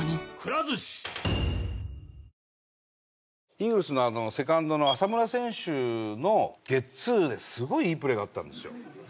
イーグルスのセカンドの浅村選手のゲッツーですごいいいプレーがあったんですよ